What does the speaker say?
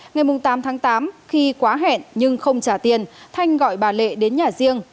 ngày tám tháng tám khi quá hẹn nhưng không trả tiền thanh gọi bà lệ đến nhà riêng